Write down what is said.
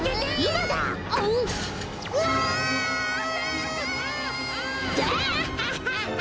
ダハハハハ！